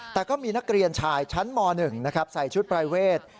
แต่ก็มีนักเรียนชายชั้นม๑นะครับใส่ชุดปรายเวท